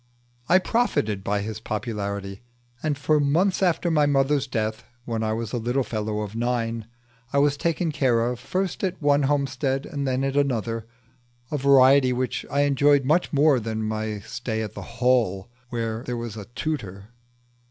I profited by his popularity, and for months after my mother's death, when I was a little fellow of nine, I was taken care of first at one homestead and then at another; a variety which I enjoyed much more than my stay at the Hall, where there was a tutor.